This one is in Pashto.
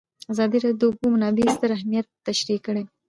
ازادي راډیو د د اوبو منابع ستر اهميت تشریح کړی.